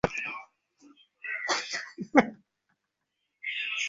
আমাকে তোর হাত ধরতে হয়েছিল।